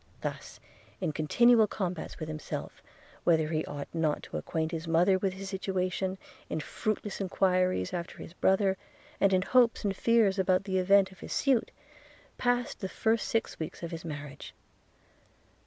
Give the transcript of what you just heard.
Thus, in continual combats with himself, whether he ought not to acquaint his mother with his situation, in fruitless enquiries after his brother, and in hopes and fears about the event of his suit, passed the first six weeks of his marriage.